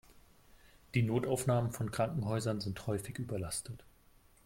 Die Notaufnahmen von Krankenhäusern sind häufig überlastet.